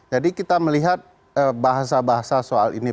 jadi kita melihat bahasa bahasa soal ini